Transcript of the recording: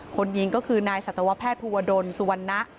คนยิงก็คือนายสัตวแพทย์ภูวดลสุวรรณะ